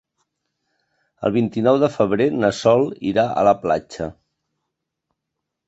El vint-i-nou de febrer na Sol irà a la platja.